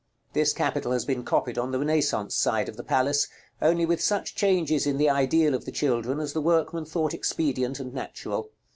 This capital has been copied on the Renaissance side of the palace, only with such changes in the ideal of the children as the workman thought expedient and natural.